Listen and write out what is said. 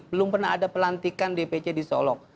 belum pernah ada pelantikan dpc di solok